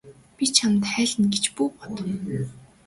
Би чамд хайлна гэж бүү бод.